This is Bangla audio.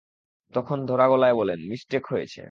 তখন ধরা গলায় বলেন, মিসটেক হয়েছে।